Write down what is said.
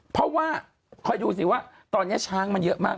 เพราะว่าคอยดูสิว่าตอนนี้ช้างมันเยอะมาก